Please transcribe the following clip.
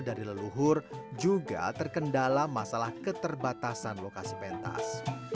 dari leluhur juga terkendala masalah keterbatasan lokasi pentas